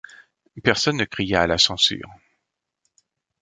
Personne ne cria à la censure.